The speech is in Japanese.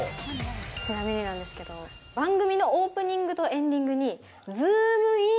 ちなみになんですけど、番組のオープニングとエンディングに、ズームイン！！